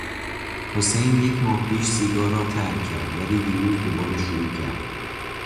حسین یک ماه پیش سیگار را ترک کرد ولی دیروز دوباره شروع کرد.